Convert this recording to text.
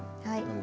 はい。